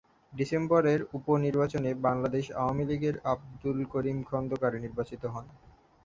ডিসেম্বরের উপ-নির্বাচনে বাংলাদেশ আওয়ামী লীগের আবদুল করিম খন্দকার নির্বাচিত হন।